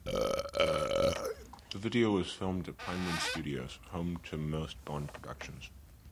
The video was filmed at Pinewood Studios, home to most Bond productions.